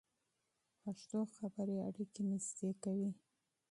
پښتو خبرې اړیکې نږدې کوي.